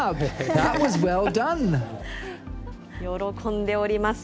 喜んでおります。